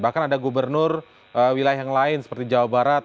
bahkan ada gubernur wilayah yang lain seperti jawa barat